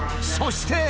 そして。